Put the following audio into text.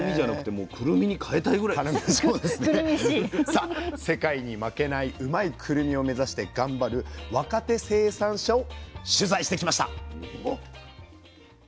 さあ世界に負けないうまいくるみを目指して頑張る若手生産者を取材してきました。